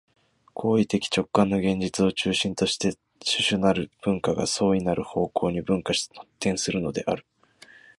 行為的直観の現実を中心として種々なる文化が相異なる方向に分化発展するのである。